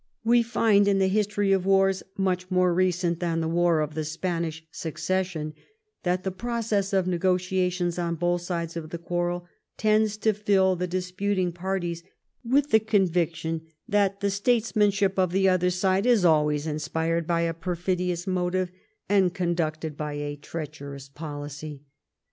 We find in the history of wars much more recent than the War of the Spanish Succession that the process of negotiations on both sides of the quarrel tends to fill the disputing parties with the conviction that the statesmanship of the other side is always inspired by a perfidious motive, and conducted by a treacherous policy.